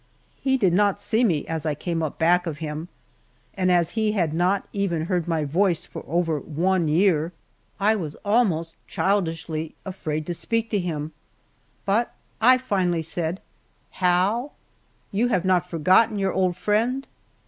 He did not see me as I came up back of him, and as he had not even heard my voice for over one year, I was almost childishly afraid to speak to him. But I finally said, "Hal, you have not forgotten your old friend?"